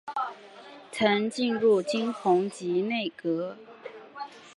曾进入金弘集内阁。